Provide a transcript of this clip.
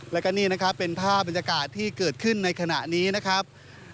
แล้วก็นี่นะครับเป็นภาพบรรยากาศที่เกิดขึ้นในขณะนี้นะครับ